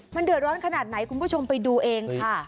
มันเดือดร้อนขนาดไหนคุณผู้ชมไปดูเองค่ะ